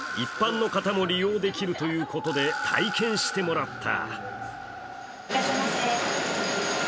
一般の方も利用できるということで、体験してもらった。